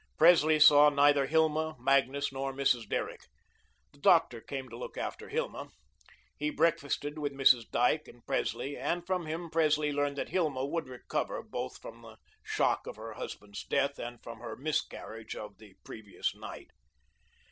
Presley saw neither Hilma, Magnus, nor Mrs. Derrick. The doctor came to look after Hilma. He breakfasted with Mrs. Dyke and Presley, and from him Presley learned that Hilma would recover both from the shock of her husband's death and from her miscarriage of the previous night.